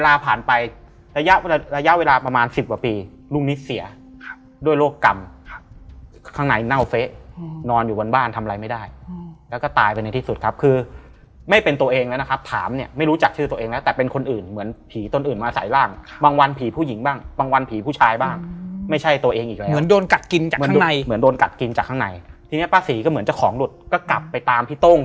ระยะระยะระยะเวลาประมาณสิบกว่าปีรุ่นนี้เสียด้วยโรคกรรมข้างในน่าเฟ้นอนอยู่บนบ้านทำอะไรไม่ได้แล้วก็ตายไปในที่สุดครับคือไม่เป็นตัวเองแล้วนะครับถามเนี่ยไม่รู้จักชื่อตัวเองแล้วแต่เป็นคนอื่นเหมือนผีต้นอื่นมาใส่ร่างบางวันผีผู้หญิงบ้างบางวันผีผู้ชายบ้างไม่ใช่ตัวเองอีกแล้วเหมือนโดนกัดกินจากข้าง